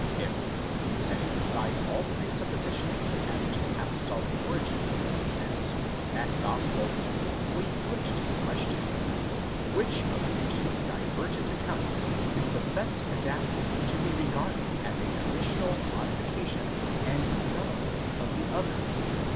° If, setting aside all presuppositions as to the apostolic origin of this or that gospel, we put the question: which of the two divergent accounts is the best adapted to be regarded as a traditional modification and development of the other?